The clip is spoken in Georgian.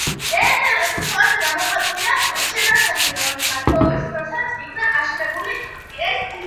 ერთ-ერთ ასეთ ქვაზე გამოხატულია შირვანშაჰი, რომლის მმართველობის დროსაც იქნა აშენებული ეს ციხე.